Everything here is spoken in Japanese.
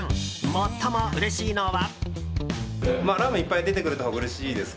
最もうれしいのは。